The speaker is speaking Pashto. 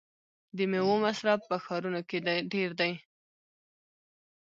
د میوو مصرف په ښارونو کې ډیر دی.